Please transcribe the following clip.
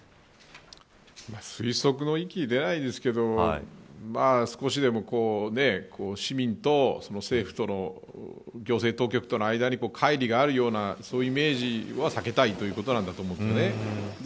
推測の域ではありますが少しでも市民と政府との行政当局との間にかい離があるようなそういうイメージは避けたいということなんでしょうね。